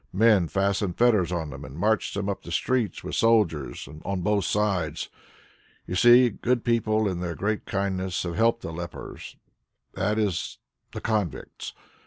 Men fasten fetters on them and march them up the streets with soldiers on both sides. You see, good people in their great kindness have helped the lepers, that is the convicts.